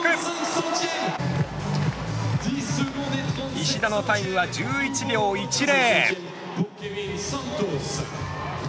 石田のタイムは１１秒１０。